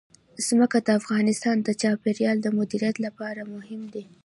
ځمکه د افغانستان د چاپیریال د مدیریت لپاره مهم دي.